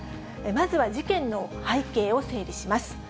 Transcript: まずは事件の背景を整理します。